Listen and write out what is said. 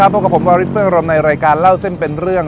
พบกับผมวาริสเฟื้องรมในรายการเล่าเส้นเป็นเรื่อง